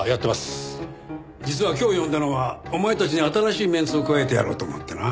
実は今日呼んだのはお前たちに新しいメンツを加えてやろうと思ってな。